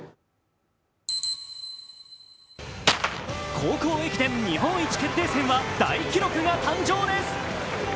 高校駅伝日本一決定戦は大記録が誕生です。